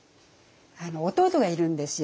弟がいるんですよ